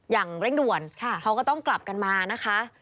อย่างเร่งด่วนเขาก็ต้องกลับกันมานะคะ